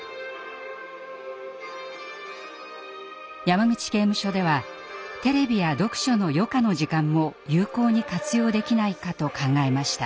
山口刑務所ではテレビや読書の余暇の時間も有効に活用できないかと考えました。